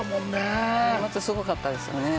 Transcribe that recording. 年末すごかったですよね。